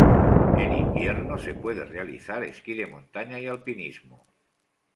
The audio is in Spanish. En invierno se puede realizar esquí de montaña y alpinismo.